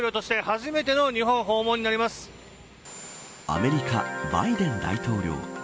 アメリカ、バイデン大統領。